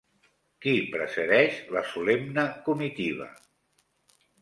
Qui precedeix la solemne comitiva?